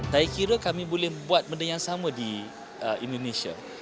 saya kira kami boleh buat benda yang sama di indonesia